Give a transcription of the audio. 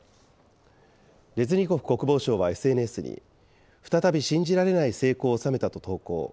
レズニコフ国防相はＳＮＳに、再び信じられない成功を収めたと投稿。